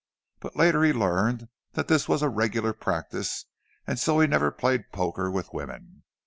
But later he learned that this was a regular practice, and so he never played poker with women.